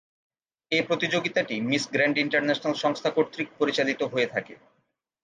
এ প্রতিযোগিতাটি Miss Grand International সংস্থা কর্তৃক পরিচালিত হয়ে থাকে।